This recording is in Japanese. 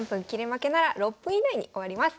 負けなら６分以内に終わります。